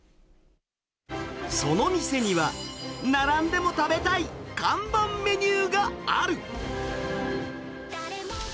その店には、並んでも食べたい看板メニューがある。